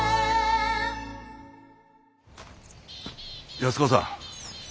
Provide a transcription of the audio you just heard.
安子さん。